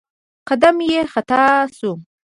قدم يې خطا شو.